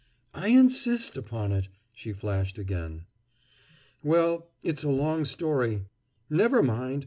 "I insist upon it!" she flashed again. "Well, it's a long story." "Never mind.